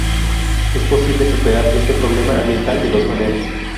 Es posible superar este problema ambiental de dos maneras.